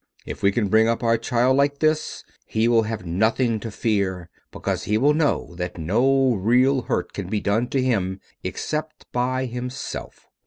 If we can bring up our child like this he will have nothing to fear, because he will know that no real hurt can be done to him except by himself."